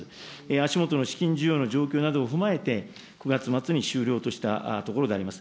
足下の資金需要の状況などを踏まえて、９月末に終了としたところであります。